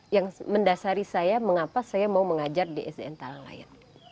yang mendasari saya mengapa saya mau mengajar di sdn talangaya